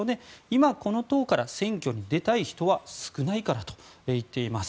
今この党から選挙に出たい人は少ないからと言っています。